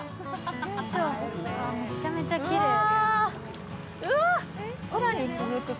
めちゃめちゃきれい。